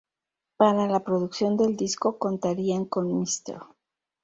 Para la producción del disco contarían con Mr.